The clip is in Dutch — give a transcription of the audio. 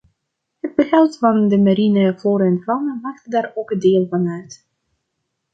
Het behoud van de mariene flora en fauna maakt daar ook deel van uit.